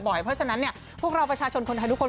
เพราะฉะนั้นพวกเราประชาชนคนไทยทุกคน